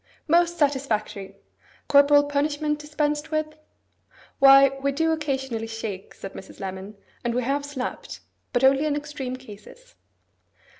'Most satisfactory! Corporal punishment dispensed with?' 'Why, we do occasionally shake,' said Mrs. Lemon, 'and we have slapped. But only in extreme cases.